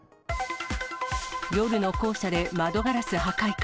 夜の校舎で窓ガラス破壊か。